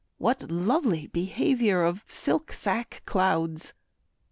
what lovely behaviour Of silk sack clouds!